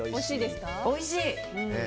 おいしい！